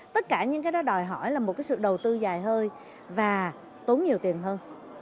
tất cả những cái đó đòi hỏi là một cái sự đầu tư dài hơi và tốn nhiều tiền hơn